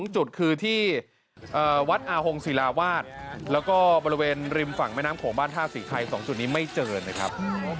๒จุดคือที่วัดอาหงศิลาวาสแล้วก็บริเวณริมฝั่งแม่น้ำโขงบ้านท่าศรีไทย๒จุดนี้ไม่เจอนะครับ